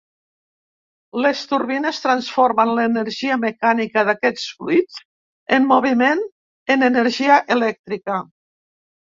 Les turbines transformen l'energia mecànica d'aquests fluids en moviment en energia elèctrica.